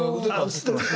映ってます。